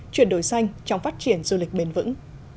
chuyển đổi xanh trong phát triển du lịch bền vững